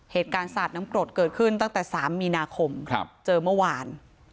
เหตุการณ์สัดน้ำกรดเกิดขึ้นตั้งแต่สามมีนาคมครับเจอเมื่อวาน